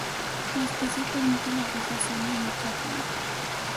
La especie permite la fijación de nitrógeno.